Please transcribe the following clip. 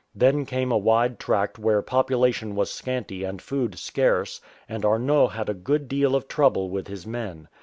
Then came a wide tract where population was scanty and food scarce, and Arnot had a good deal of trouble with his men.